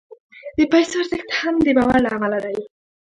د پیسو ارزښت هم د باور له امله دی.